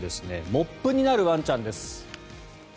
モップになるワンちゃんです。